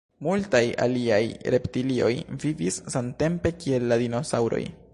Multaj aliaj reptilioj vivis samtempe kiel la dinosaŭroj.